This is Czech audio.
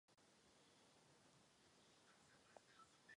Chopin se dostala do stavu deprese ze smrti manžela a matky.